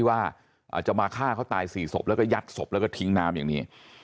ว่าจะมาฆ่าเขาตาย๔ศพแล้วก็ยัดศพแล้วก็ทิ้งน้ำอย่างนี้